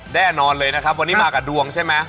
แน่นอนเลยนะครับวันนี้มากับดวงใช่ไหม